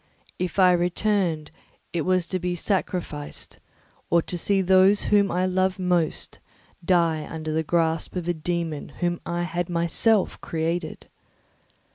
If I returned, it was to be sacrificed or to see those whom I most loved die under the grasp of a dæmon whom I had myself created.